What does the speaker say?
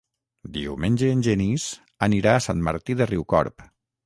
Diumenge en Genís anirà a Sant Martí de Riucorb.